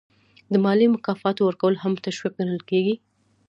د مالي مکافاتو ورکول هم تشویق ګڼل کیږي.